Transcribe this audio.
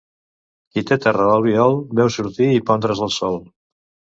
Qui té terra a l'Albiol, veu sortir i pondre's el sol.